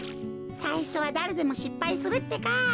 さいしょはだれでもしっぱいするってか。